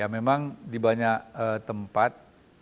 memang di banyak tempat